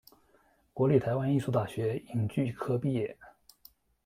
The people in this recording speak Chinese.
国立台湾艺术大学影剧科毕业。